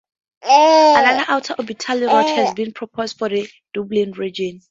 Another outer orbital road has been proposed for the Dublin region.